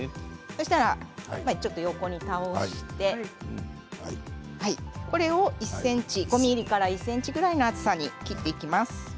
横に倒してこれを１ｃｍ、５ｍｍから１ｃｍぐらいの厚さに切っていきます。